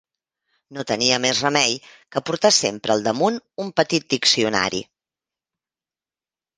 No tenia més remei que portar sempre al damunt un petit diccionari